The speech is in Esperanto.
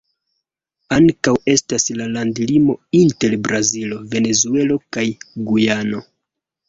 Ankaŭ estas la landlimo inter Brazilo, Venezuelo kaj Gujano.